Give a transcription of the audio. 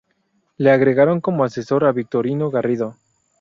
Le agregaron como asesor a Victorino Garrido.